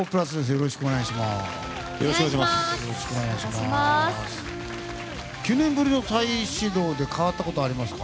よろしくお願いします。